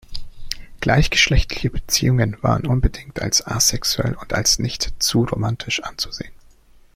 Gleichgeschlechtliche Beziehungen waren unbedingt als asexuell und als nicht zu romantisch anzusehen.